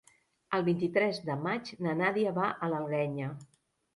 El vint-i-tres de maig na Nàdia va a l'Alguenya.